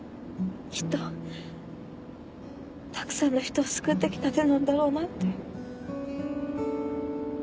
きっとたくさんの人を救って来た手なんだろうなって。